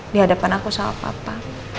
di hadapan aku sama papa